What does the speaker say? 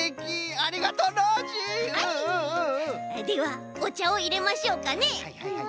ではおちゃをいれましょうかね。